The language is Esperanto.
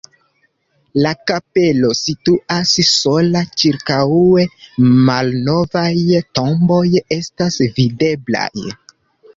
La kapelo situas sola, ĉirkaŭe malnovaj tomboj estas videblaj.